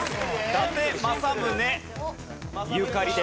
伊達政宗ゆかりです。